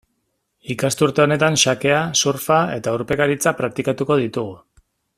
Ikasturte honetan xakea, surfa eta urpekaritza praktikatuko ditugu.